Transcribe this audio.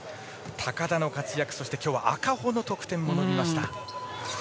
高田の活躍、そして今日は赤穂の得点もありました。